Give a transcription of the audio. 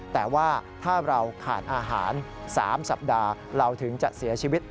แต่ว่าถ้าเราขาดอาหาร๓สัปดาห์เราถึงจะเสียชีวิต